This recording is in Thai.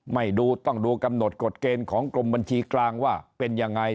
ดูต้องดูกำหนดกฎเกณฑ์ของกรมบัญชีกลางว่าเป็นยังไง